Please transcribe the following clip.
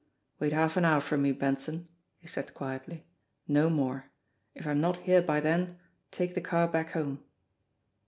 "Wait half an hour for me, Benson," he said quietly. "No more. If I'm not here by then take the car back home."